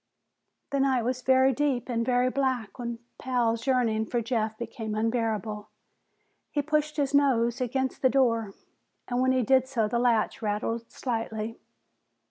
The night was very deep and very black when Pal's yearning for Jeff became unbearable. He pushed his nose against the door, and when he did so the latch rattled slightly.